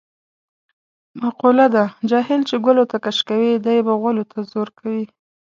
مقوله ده: جاهل چې ګلوته کش کوې دی به غولو ته زور کوي.